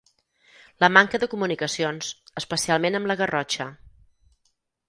La manca de comunicacions, especialment amb la Garrotxa.